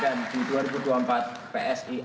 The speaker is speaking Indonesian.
dan di dua ribu dua puluh empat psi akan ada di dpr ri